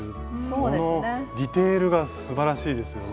このディテールがすばらしいですよね。